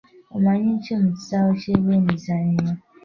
Omanyi ki mu kisaawe ky’ebyemizanyo.